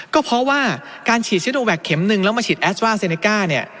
ก็เพราะว่าการฉีดซิโนแวคเข็มหนึ่งแล้วมาฉีดแอสตราเซเนก้าเนี่ย